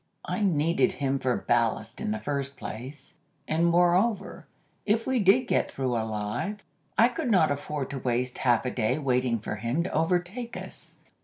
I needed him for ballast in the first place, and moreover, if we did get through alive, I could not afford to waste half a day waiting for him to overtake us.